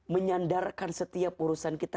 menyandarkan setiap urusan kita